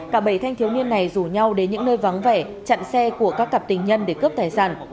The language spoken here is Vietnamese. cả bảy thanh thiếu niên này rủ nhau đến những nơi vắng vẻ chặn xe của các cặp tình nhân để cướp tài sản